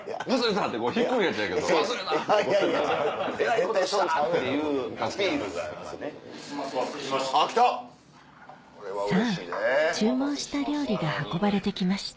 さぁ注文した料理が運ばれてきました